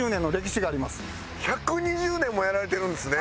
１２０年もやられてるんですね！